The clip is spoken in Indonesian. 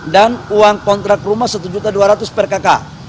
dan uang kontrak rumah rp satu dua ratus per kakak